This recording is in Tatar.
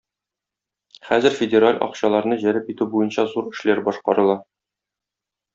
Хәзер федераль акчаларны җәлеп итү буенча зур эшләр башкарыла.